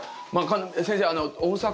先生大阪の。